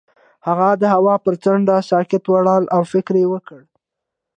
هغه د هوا پر څنډه ساکت ولاړ او فکر وکړ.